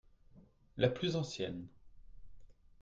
La plus ancienne.